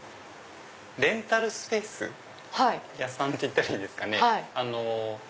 レンタルスペース屋さんって言ったらいいんですかね。